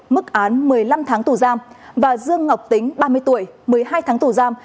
mức án một mươi năm tháng tù giam và dương ngọc tính ba mươi tuổi một mươi hai tháng tù giam